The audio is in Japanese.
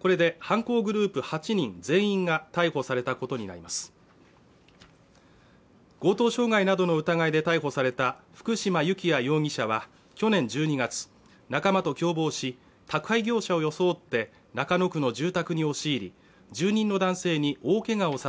これで犯行グループ８人全員が逮捕されたことになります強盗傷害などの疑いで逮捕された福嶋幸也容疑者は去年１２月仲間と共謀し宅配業者を装って中野区の住宅に押し入り住人の男性に大けがをさせ